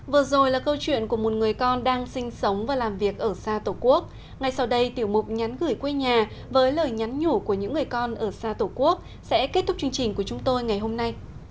vừa rồi là câu chuyện của một người con đang sinh sống và làm việc ở xa tổ quốc ngay sau đây tiểu mục nhắn gửi quê nhà với lời nhắn nhủ của những người con ở xa tổ quốc sẽ kết thúc chương trình của chúng tôi ngày hôm nay